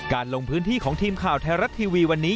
ลงพื้นที่ของทีมข่าวไทยรัฐทีวีวันนี้